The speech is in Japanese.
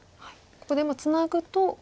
ここでツナぐと。